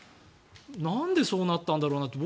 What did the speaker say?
なんでそうなったんだろうなって